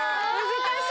難しい。